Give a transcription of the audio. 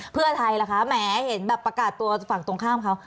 เพื่อไทยล่ะคะแหมเห็นแบบประกาศตัวฝั่งตรงข้ามเขา